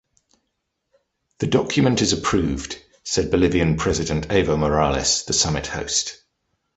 "The document is approved," said Bolivian President Evo Morales, the summit host.